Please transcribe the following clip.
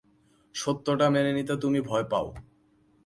সত্য টা মেনে নিতে তুমি ভয় পাও।